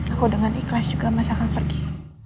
aku dengan ikhlas juga masih akan pergi